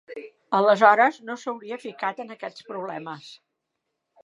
Aleshores no s'hauria ficat en aquests problemes.